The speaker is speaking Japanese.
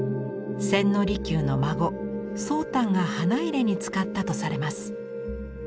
千利休の孫宗旦が花入れに使ったとされます。